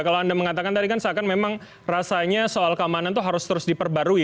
kalau anda mengatakan tadi kan seakan memang rasanya soal keamanan itu harus terus diperbarui